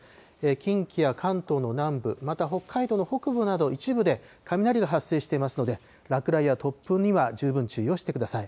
近畿や関東の南部、また北海道の北部など一部で雷が発生していますので、落雷や突風には十分注意をしてください。